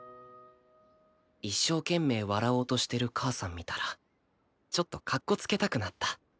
一生懸命笑おうとしてる母さん見たらちょっとかっこつけたくなった